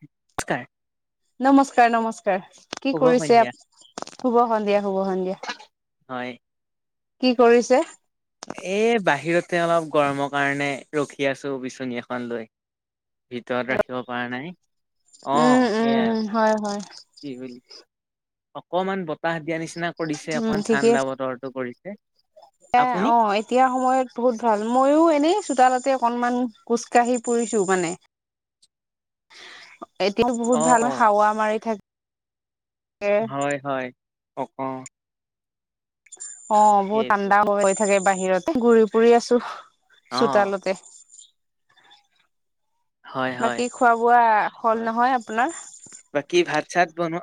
নমস্কাৰ। নমস্কাৰ-নমস্কাৰ কি শুভ কৰিছে সন্ধিয়া আ শুভ সন্ধিয়া-শুভ সন্ধিয়া। হয়। কি কৰিছে? এ বাহিৰতে অলপ গৰমৰ কাৰণে ৰখি আছো বিচনী এখন লৈ। ভিতৰত ৰাখিব পৰা নাই অ, উম সেইয়াই। উম হয় হয় কি বুলি অকমান বতাহ দিয়া নিচিনা নিচিনা কৰিছে অকন ঠাণ্ডা বতৰটো কৰিছে। এ আপুনি অ, এতিয়া সময়তো বহুত ভাল ময়ো এনেই চোতালতে অকনমান খোজকাঢ়ি ফুৰিছো মানে। এতিয়া বহুত অ ভাল অ হাৱা মাৰি থাকে। হয় - হয়। অ, বহুত সেইটো ঠাণ্ডা হৈ থাকে, বাহিৰতে ঘূৰি ফুৰি আছো। অ চোতালতে। হয় হয় বাকী খোৱা বোৱা হল হয় নহয় আপোনাৰ? বাকী ভাত চাত বনোৱা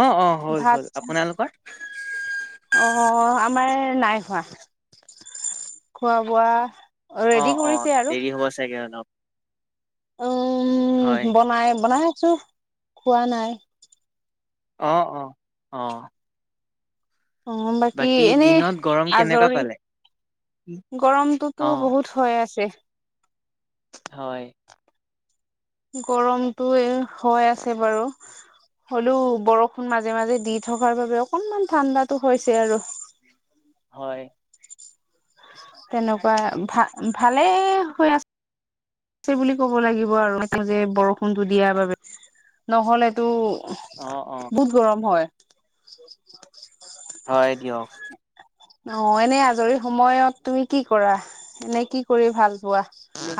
অ অ হ'ল ভাত হ'ল চ আপোনালোকৰ অ, আমাৰ নাই খোৱা খোৱা বোৱা অ ৰেডি অ কৰিছে আৰু। দেৰি হ'ব চাগে অলপ উম, হয় বনাই- বনাই আছো খোৱা নাই। অহ-অহ -অহ। উম, বাকী এনেই দিনত গৰম কেনেকুৱা আজৰি। পালে গৰমটোতো অ বহুত হৈ আছে। হয়। গৰমটোয়ে হৈ আছে বাৰু। হ'লেও বৰষুণ মাজে মাজে দি থকাৰ বাবে অকনমান ঠাণ্ডাতো হৈছে আৰু। হয়। তেনেকুৱা ভা ভালেই হৈ আছে বুলি ক'ব লাগিব আৰু যে বৰষুণটো দিয়াৰ বাবে নহ'লেটো অ', অ'। বহুত গৰম হয়। হয় দিয়ক। অ' এনেই আজৰি সময়ত তুমি কি কৰা? এনে কি কৰি ভাল হোৱা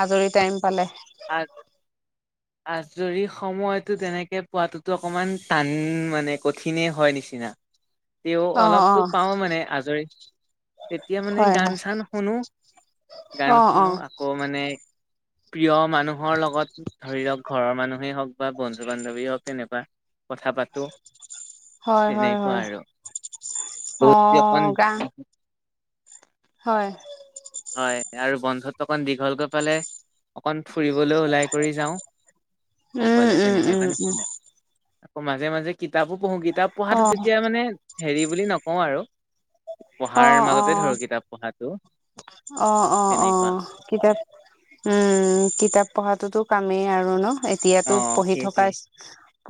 আজৰি টাইম পালে আ [inaudible] আজৰি সময়তো তেনেকে পোৱাততো অকণমান টান মানে কঠিনে হয় নিচিনা। তেওঁ অ অ অলপতো পাওঁ মানে আজৰি, তেতিয়া মানে হয় গান হয় চান শুনো। গান অ শুনো। মানে [unintelligible] প্ৰিয় মানুহৰ লগত ধৰি লওঁক, ঘৰৰ মানুহেই হওঁক বা বন্ধু বান্ধৱী হওঁক তেনেকুৱা। কথা পাতোঁ হয় হয় হয় তেনেকুৱা আৰু অ ৰুটি এখন গা হয়। হয় আৰু বন্ধতো অকন দীঘল কৈ পালে। অকন ফুৰিবলৈ ওলাই কৰি যাওঁ। উম অকলে উম তেনেকুৱা উম উম নিছিনা। আকৌ মাজে মাজে কিতাপো পঢ়ো। কিতাপ অ পঢ়াটো তেতিয়া মানে হেৰি বুলি নকওঁ আৰু অ পঢ়াৰ অ মাজতে ধৰো কিতাপ পঢ়াটো। অ' অ' তেনেকুৱা অ' কিতাপ উম, উম, কিতাপ পঢ়াটোতো। পামেই আৰু ন। অ এতিয়াতো পঢ়ি থকা, সেইটোৱে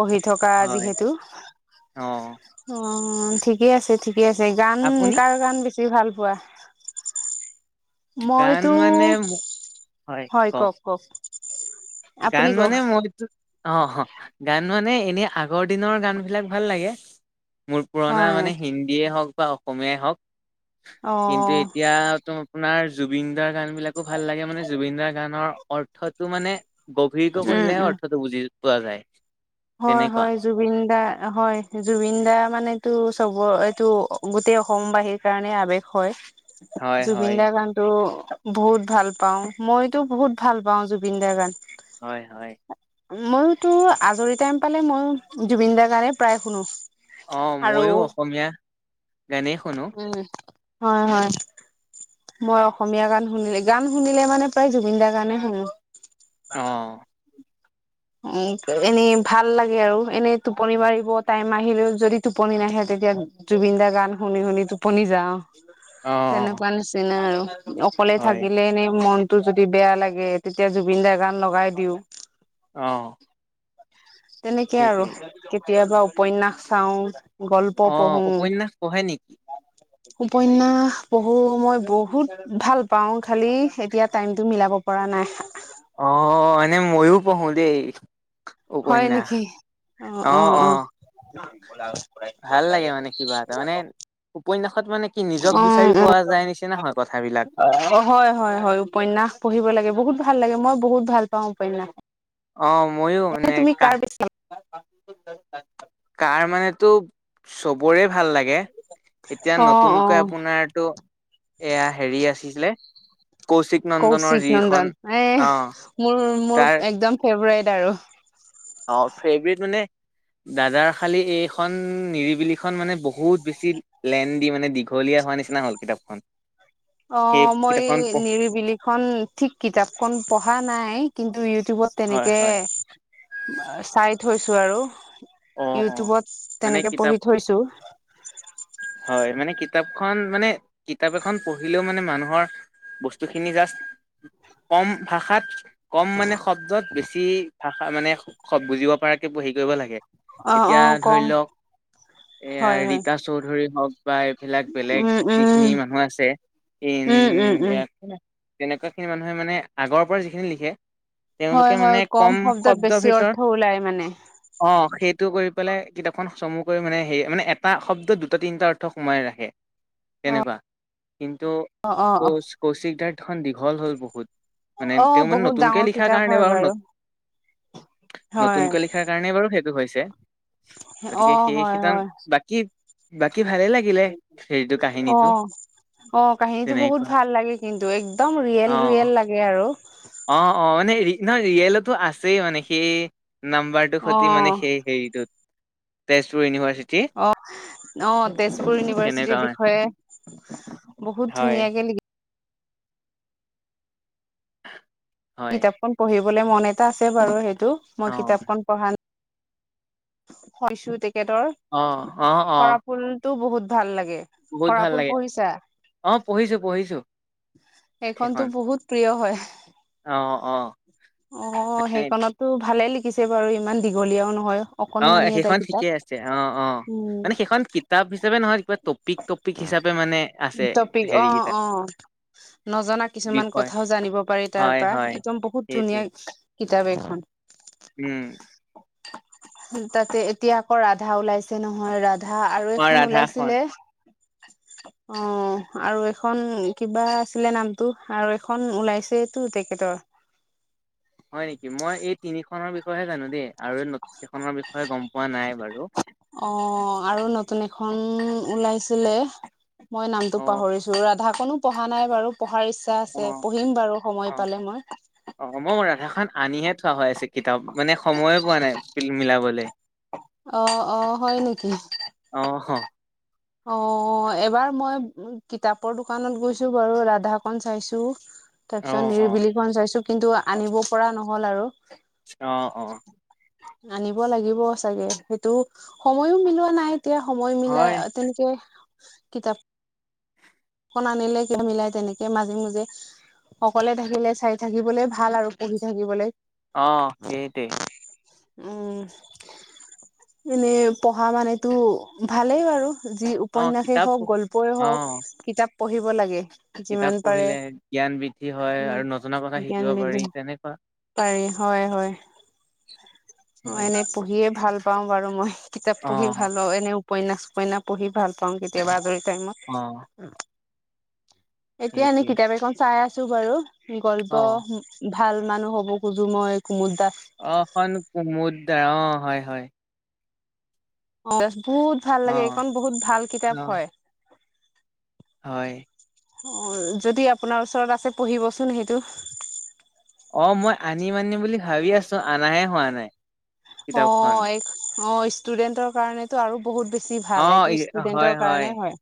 পঢ়ি থকা হয় যিহেতু। অ অ' ঠিকে আছে, ঠিকে আছে, গান আপুনি কাৰ গান বেছি ভাল পোৱা? গান মইতো মানে মোক হয়, কওঁক কওঁক। গান মানে মই কিন্তু অ' অহ' গান মানে এনে আগৰ দিনৰ গান বিলাক ভাল লাগে। মোৰ পুৰণা হয় মানে হিন্দীয়ে হওঁক বা অসমীয়াই হওঁক। অ কিন্তু এতিয়া তোমা আপোনাৰ জুবিন দাৰ গান বিলাকো ভাল লাগে মানে জুবিনদাৰ গানৰ অৰ্থটো মানে গভীৰকৈ উম কৰিলেহে উম অৰ্থটো বুজি পোৱা যায়। হয়, তেনেকুৱা হয়। জুবিন দা হয়, জুবিন দা মানটো চ'ব এইটো গোটেই অসমবাহীৰ কাৰণে আৱেগ হয়। হয় জুবিন হয় দাৰ গানটোৰ বহুত ভাল পাওঁ। মইতো বহুত ভাল পাওঁ জুবিনদাৰ গান। হয়, হয়। মইতো আজৰি টাইম পালে মইয়ো জুবিন দাৰ গাণে প্ৰায় শুনো। অহ' আৰু মইয়ো অসমীয়া গানেই শুনো। উম হয়, হয়। মই অসমীয়া গান শুনিলে, গান শুনিলে মানে প্ৰায় জুবিন দাৰ গানে শুনো। তাৰ অ', উম, এনেই ভাল লাগে আৰু এনেই টোপনি মাৰিব টাইম আহিলেও যদি টোপনি নাহে তে তিয়া জুবিন দা গান শুনি শুনি টোপনি যাওঁ। অ', তেনেকুৱা নিচিনা আৰু অকলে হয়। থাকিলে এনে মন টো যদি বেয়া লাগে তেতিয়া জুবিন দাৰ গান লগাই দিওঁ। অ'। তেনেকে আৰু সেইটোৱে। কেতিয়াবা উপন্যাস চাও। গল্প অ', পঢ়ো। উপন্যাস পঢ়ে নেকি? উপন্যাস পঢ়ো মই বহুত ভাল পাওঁ, খালি এতিয়া টাইমতটো মিলাব পৰা নাই। অ' এনে ময়ো পঢ়ো দেই। হয় উপন্যাস নেকি অ অ অহ-অহ। ভাল লাগে মানে কিবা এটা মানে উপন্যয়াসত মানে কি নিজক অ বিচাৰি পোৱা যায় নিচিনা অ', হয় কথাবিলাক। -অ', হয়-হয়-হয় উপন্যাস পঢ়িব লাগে, বহুত ভাল লাগে মই বহুত ভাল পাওঁ উপন্যাস। অ' ময়ো এনে নে তুমি কাৰ কাহ [inaudible] কাৰ মানেটো চবৰে ভাল লাগে এতিয়া অ অ নতুনকৈ আপোনাৰটো এয়া হেৰি আছিলে। কৌশিক নন্দনৰ কৌশিক যিখন নন্দন এ অ', মোৰ, মোৰ তাৰ একদম ফেভৰেট আৰু অ' ফেভৰেট মানে দাদাৰ খালি এইখন নিৰিবিলিখন মানে বহুত বেছি লেণ্ডী মানে দীঘলীয়া। হোৱা নিচিনা হ'ল কিতাপখন। সেই অ' মই কিতাপখন পঢ় নিৰিবিলিখন ঠিক কিতাপখন পঢ়া নাই কিন্তু ইটিউবত হয় তেনেকে হয় চাই থৈছো আৰু অ অ ইউটিউবত মানে তেনেকে কিতাপ পঢ়ি থৈছো। হয় মানে কিতাপখন মানে কিতাপ এখন পঢ়িলেও মানে মানুহৰ বস্তুখিনি জাষ্ট কম ভাষাত কম মানে শব্দত বেছি ভাষা মানে বুজিব পৰাকে হেৰি কৰিব লাগে। অ এতিয়া অ ধৰি কম লওক। এয়াাৰ হয় হয় ৰীতা চৌধুৰী হওক বা এইবিলাক বেলেগ উম উম যিখিনি মানুহ আছে। উম তেনেকুৱা খিনি মানুহে মানে আগৰ পৰা যিখিনি লিখে। হয় তেওঁলোকে হয় মানে কম শব্দত শব্দৰ বেছি অৰ্থ ভিতৰত ওলাই মানে অ' সেই টো কৰি পেলে কিতাপখন চমু কৰি মানে সেই মানে এটা শব্দত দুটা তিনিটা অৰ্থ সোমাই ৰাখে। অ তেনেকুৱা কিন্তু অ অ অ কৌশিক-কৌশিকদাৰখন দীঘল হ'ল বহুত। মানে অ তেওঁ মানে বহুত নতুনকে ডাঙৰ লিখা কিতাপ কাৰণে হয় বাৰু হয় নতুনকৈ লিখাৰ কাৰণে বাৰু সেইটো হৈছে। অ গতিকে সেই সিমান বাকী। বাকী ভালে লাগিলে হেৰিটো কাহিনীটো অহ। অ' কাহিনীতটো বহুত তেনেকুৱা ভাল লাগে কিন্তু একদম ৰিয়েল, ৰিয়েল অ' লাগে আৰু অ', -অ' মানে নহয় ৰিয়েলতো আছেই মানে সেই নাম্বাৰটোৰ অ স্মৃতি মানে সেই হেৰিটোত তেজপুৰ ইউনিভাৰ্চিটি। অ অ' তেজপুৰ ইউনিভাৰ্চিটিৰ তেনেকুৱা বিষয়ে বহুত হয় ধুনীয়াকে লিখি হয়। কিতাপখন পঢ়িবলে মন এটা আছে বাৰু সেইটো অ', মই কিতাপখন পঢ়া ন' তেখেতৰ অ', অ', অ', সৰা ফুলতটো বহুত ভাল লাগে। বহুত ভাল সৰাফুল লাগে পঢ়িছা অ' পঢ়িছো, পঢ়িছো। সেইখনতো সেইখন। বহুত প্ৰিয় হয়। অ', অ', অ' সেইখনতো ভালে লিখিছে বাৰু ইমান দীঘলীয়াও নহয়। অ' অকনমানি এটা সেইখন ঠিকে কিতাপ আছে। অ', -অ' উম মানে সেইখন কিতাপ হিচাপে নহয়, কিবা টপিক, টপিক হিচাপে মানে আছে টপিক অ', হেৰিকেইটা -অ'। নজনা কিছুমান বিষয়। কথাও জানিব পাৰি তাৰ হয়, পৰা হয়, একদম বহুত সেইটোৱে। ধুনীয়া। কিতাপ এইখন। উম, তাতে এতিয়া আকৌ ৰাধা ওলাইছে নহয় ৰাধা। ৰাধা আৰু অ', এখন ৰাধাখন ওলাইছিলে অ' আৰু এখন কিবা আছিলে নামটো আৰু এখন ওলাইছেটো তেখেতৰ হয় নেকি মই এই তিনিখনৰ বিষয়েহে জানো দেই আৰু নতুনখনৰ বিষয়ে গম পোৱা নাই বাৰু উম ওলাইছিলে মই নামটো অ', পাহৰিছো ৰাধা খনো পঢ়া নাই বাৰু পঢ়াৰ ইচ্ছা আছে অ', পঢ়িম বাৰু সময় অ', পালে মই অ', মই ৰাধাখন আনিহে থোৱা হৈ আছে কিতাপ মানে সময়ে পোৱা নাই মিলাবলৈ অ', - অ', হয় নেকি। অ', অ', অ', এবাৰ মই কিতাপৰ দোকানত গৈছো বাৰু ৰাধা খন চাইছো। তাৰ পিছত অ', নিৰিবিলিখন চাইছো কিন্তু আনিব পৰা নহ'ল আৰু অ', -অ', আনিব লাগিব চাগে সেইটো সময়ো মিলোৱা নাই। এতিয়া সময় মিলাই হয় তেনেকে কিতাপ খনো আনিলে কিয় মিলাই তেনেকে মাজে মাজে অকলে থাকিলে চাই থাকিবলৈ ভাল আৰু পঢ়ি থাকিবলৈ অ', সেইটোৱে উম এনেই পঢ়া মানেতো ভালেই বাৰু। যি অ উপন্যাসেই কিতাপ হওক গল্পই অ হওক কিতাপ পঢ়িব লাগে। কিতাপ যিমান পাৰে পঢ়িলে জ্ঞান বৃদ্ধি হয় উম, আৰু নজনা কথা জ্ঞান শিকিব বৃদ্ধি পাৰি তেনেকুৱা পাৰি হয়-হয়। [unintelligible] অ', হয় এনেই পঢ়িয়ে ভাল পাওঁ বাৰু মই কিতাপ অ পঢ়ি ভাল পাওঁ এনেও। উপন্যাস চোপন্যাস পঢ়ি ভাল পাওঁ কেতিয়াবা আজৰি অ টাইমত এতিয়া এনেই সেইটোৱে কিতাপ এখন চাই আছো বাৰু গল্প অ ভাল মানুহ হ'ব খোজো মই। কুমুদ দাস অ', এইখন কুমুদ দাৰ অ', হয়-হয়। অ', দাস বহুত ভাল অ লাগে এইখন বহুত ভাল কিতাপ অ হয়। হয়। অ', যদি আপোনাৰ ওচৰত আছে পঢ়িবচোন সেইটো অ', মই আনিম আনিম বুলি ভাবি আছো অনাহে হোৱা নাই। অ', কিতাপখন -অ', ষ্টুডেন্টৰ কাৰণেতো আৰু বহুত বেছি অ ভাল এইটো ষ্টুডেন্টৰ কাৰণে হয়।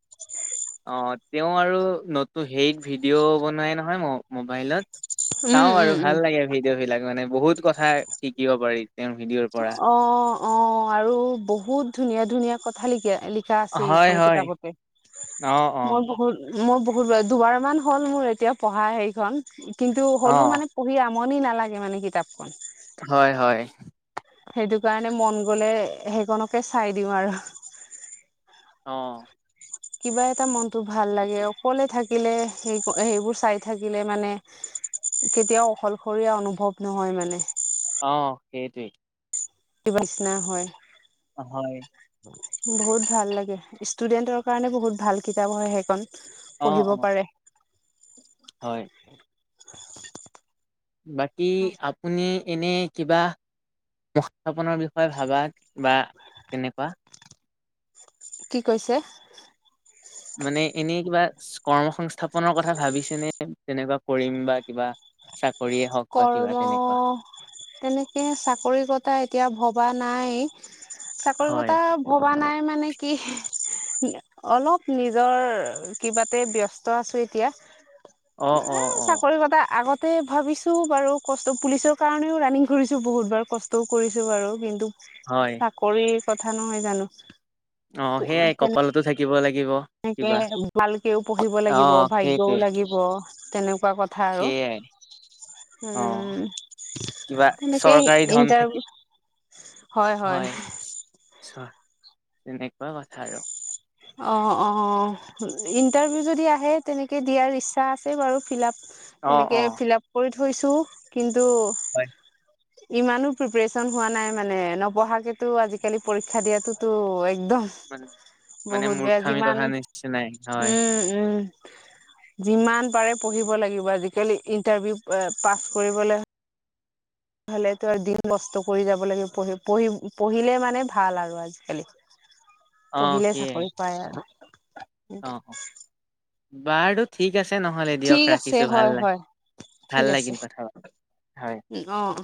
অ তেওঁ আৰু নতু হেইত ভিডিঅ' বনাই নহয় ম মোবাইলত উম চাওঁ আৰু উম ভাল উম। লাগে ভিডিঅ' বিলাক মানে বহুত কথাই শিকিব পাৰি। তেওঁৰ ভিডিঅ'ৰ পৰা অ', অ', আৰু বহুত ধুনীয়া ধুনীয়া কথা লিখি লি শা আছে হয় এইখন হয় কিতাপতে অ অ মই বহুত মোৰ বহুতাৰ দুবাৰ মান হ'ল মোৰ এতিয়া পঢ়া হেৰিখন কিন্তু অ হ'লো মানে পঢ়ি আ মন নালাগে মানে কিতাপখন হয়, হয়। সেইটো কাৰণে মন গলে সেইককে চাই দিওঁ আৰু। অ'। কিবা এটা মনতো ভাল লাগে অকলে থাকি। থাকিলে স সেইবোৰ চাই থাকিলে মানে কেতিয়াও অকললশৰীয়া অনুভৱ নহয় মানে। অ' সেইটোৱেই। এই পচিনা হয় [unintelligible] হয়। বহুত ভাল লাগে ষ্টুডেন্টৰ কাৰণে বহুত ভাল কিতাপ হয় সেইখনন। অ অ পঢ়িব পাৰে। হয়। [inaudible] বাকী আপুনি এনে কিবা মুস্থাপনৰ বিষয়ে ভাবা বা তেনেকুৱা [unintelligible] কি কৈছে? মানে এনেই কিবা কৰ্ম সংস্থাপনৰ কথা ভাবিছেনে যেনেকুৱা কৰিম বা কিবা চাক কৰ্ম তেনেকে চাকৰি কথা এতিয়া ভব ভবা নাই চাকৰি হয় কথা ভবা নাই মানে কি? অলপ নিজৰ কিবাতে ব্যস্ত আছো এতিয়া। অ অ এ অ চাকৰি কথা আগতে ভাবিছো বাৰু কষ্ট পুলিচৰ কাৰণেও ৰানিং কৰিছোঁ বহুত বাৰ কষ্টও কৰিছোঁ বাৰু কিন্তু হয় চাকৰিৰ কথা নহয় জানো অ সেইয়াই কপালতো থাকিব লাগে সেনেকে ভালকেও পঢ়িব অ লাগিব সেইটোৱে ভাগ্যয়ও লাগিব তেনেক োৱা কথা আৰু সেইয়াই অ কিবা [unintelligible] উম এনেকে চৰকাৰী ধন ইন্ত থাকিব [unintelligible] হয়, হয়। আচ্ছা তেনেকুৱা কথা আৰু অ, ' অ, ' ইণ্টাৰভিউ যদি আহে তেনেকে দিয়াৰ ইচ্ছা আছে বাৰু ফিল আপ অ', তেনেকে অ'। ফিল আপ কৰি থৈছো কিন্তু হয় ইমানো প্ৰিপৰেচন হোৱা নাই মানে নপঢ়াকেতো আজিকালি পৰীক্ষা দিয়াতোতো একদম মান মানে বহুত বেয়া মূৰ্খামি যিমান, কথা নিচিনাই হয় উম উম যিমান পাৰে পঢ়িব লাগিব আজিকালি ইন্টাৰভিউ পাছ কৰিবলৈ তে হ'লে তো আৰু দিন নষ্ট কৰি যাব লাগিব পঢ়ি পঢ়ি পঢ়িলে মানে ভাল আৰু আজিকালি অ' পঢ়িলে সেয়াই চাকৰি পায় আৰু অ, ' অ, ' বাৰুো ঠিক আছে নহ'লে দিয়ক ঠিক আছে ৰাখিছোঁ ভাল হয় নাই হয় ভাল ঠিক আছে লাগিল কথা হয় উম, অ অ